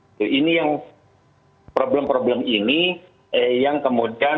jadi ini yang problem problem ini yang kemudian memang harus diselamatkan